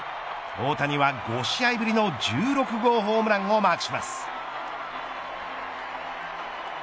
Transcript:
大谷は５試合ぶりの１６号ホームランをマークします。